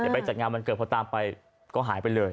ไปจัดงานวันเกิดพอตามไปก็หายไปเลย